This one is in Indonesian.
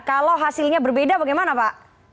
kalau hasilnya berbeda bagaimana pak